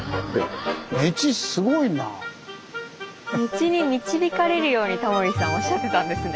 根知に導かれるようにタモリさんおっしゃってたんですね。